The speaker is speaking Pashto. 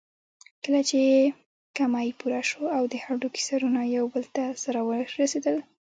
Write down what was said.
کله چې کمى پوره شو او د هډوکي سرونه يو بل ته سره ورسېدل.